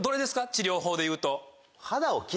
治療法でいうと。